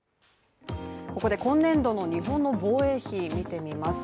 ここで今年度の日本の防衛費、見てみます。